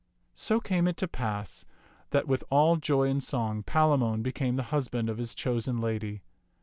So came it to pass that with all joy and song Pala mon became the husband of his chosen lady.